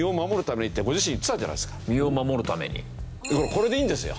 これでいいんですよ。